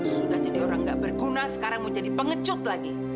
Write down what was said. sudah jadi orang nggak berguna sekarang mau jadi pengecut lagi